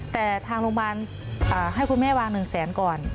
แต่ทางโรงพยาบาลให้คุณแม่วาง๑แสนก่อน